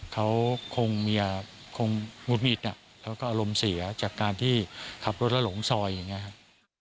เขาคงงุดหงิดแล้วก็อารมณ์เสียจากการที่ขับรถแล้วหลงซอยอย่างนี้ครับ